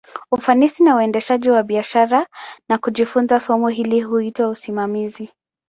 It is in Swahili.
Ufanisi wa uendeshaji wa biashara, na kujifunza somo hili, huitwa usimamizi.